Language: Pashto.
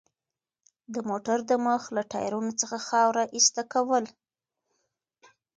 د موټر د مخ له ټایرونو څخه خاوره ایسته کول.